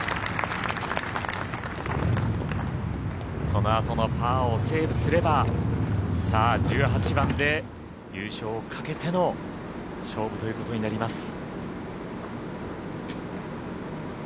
このあとのパーをセーブすれば１８番で優勝をかけての勝負ということになります。